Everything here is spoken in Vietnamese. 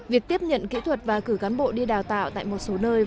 việc tiếp nhận kỹ thuật và cử cán bộ đi đào tạo tại một số nơi